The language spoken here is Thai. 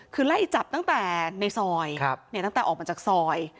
คือไล่จับตั้งแต่ในซอยตั้งแต่ออกมาจากซอย